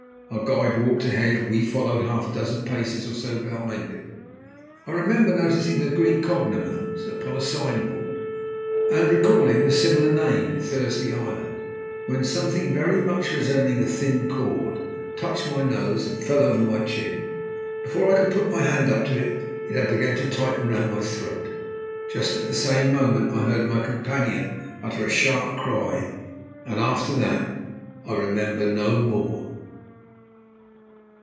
Our guide walked ahead, we followed half a dozen paces or so behind him. I remember noticing a Greek cognomen upon a sign board, and recalling a similar name in Thursday Island, when something very much resembling a thin cord touched my nose and fell over my chin. Before I could put my hand up to it it had begun to tighten round my throat. Just at the same moment I heard my companion utter a sharp cry, and after that I remember no more.